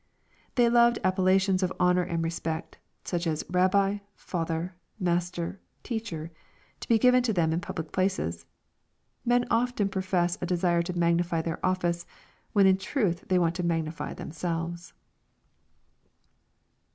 They loved appellations of honor and respect, such as " Rabbi, Father, Master, Teacher," to be given to them in pubhc places. Men often profess a desire to magnify their office, when in truth they want to magnify them selves.